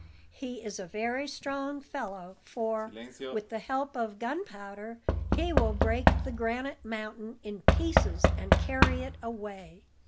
He is a very strong fellow; for, with the help of gunpowder, he will break the granite mountain in pieces, and carry it away.